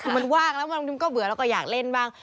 คือมันว่าแล้วมันมีก็เบื่อเราก็อยากเล่นบ้าง